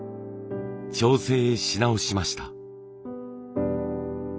調整し直しました。